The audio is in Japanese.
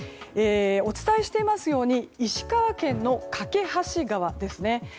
お伝えしていますように石川県の梯川ですね。